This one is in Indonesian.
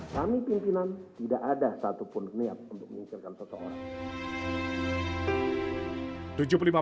kami pimpinan tidak ada satupun niat untuk memikirkan seseorang